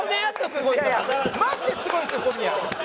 マジですごいですよ小宮。